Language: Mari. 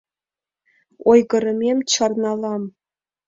Ойгырымем чарналам.